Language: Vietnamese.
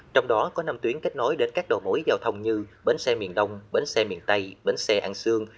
trong đó có năm tuyến kết nối đến các đồ mối giao thông như bến xe miền đông bến xe miền tây bến xe an sương